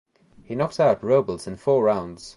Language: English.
He knocked out Robles in four rounds.